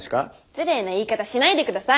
失礼な言い方しないでください。